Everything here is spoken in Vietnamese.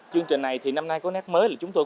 chương trình này năm nay có nét mới